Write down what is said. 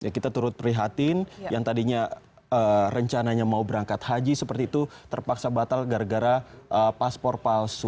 kita turut prihatin yang tadinya rencananya mau berangkat haji seperti itu terpaksa batal gara gara paspor palsu